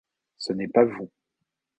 Ce n’est pas vous.